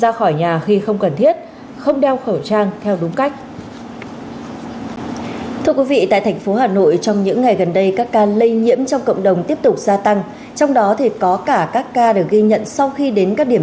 ra khỏi nhà khi không cần thiết không đeo khẩu trang theo đúng cách